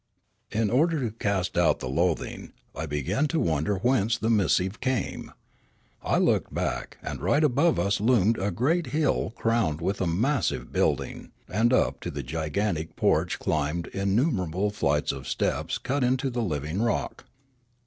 In order to cast out the loathing, I began to wonder whence the missive came. I looked back, and right above us loomed a great hill crowned with a massive building, and up to the gigantic porch climbed innu merable flights of steps cut into the living rock.